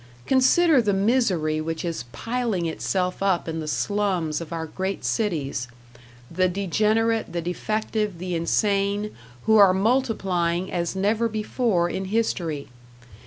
Consider the misery which is piling itself up in the slums of our great cities the degenerate, the defective, the insane, who are multiplying as never before in history.